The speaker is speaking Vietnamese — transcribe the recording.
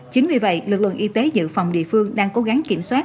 chính vì vậy lực lượng y tế dự phòng địa phương đang cố gắng kiểm soát